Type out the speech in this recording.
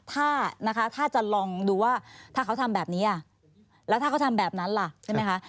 ถ้านะคะถ้าจะลองดูว่าถ้าเขาทำแบบนี้แล้วถ้าเขาทำแบบนั้นล่ะใช่ไหมคะ